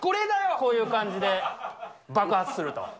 こういう感じで爆発すると。